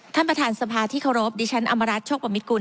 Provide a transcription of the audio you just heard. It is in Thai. ท่านประธานสภาทิเคารบดิฉันอำรัตโชคบุคมิคุล